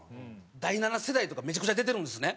第７世代とかめちゃくちゃ出てるんですね。